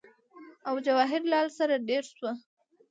او جواهر لال سره دېره شو